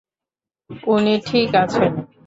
উনি ঠিক আছেন?